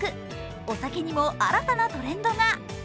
お酒にも新たなトレンドが。